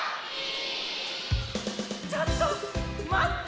ちょっとまって！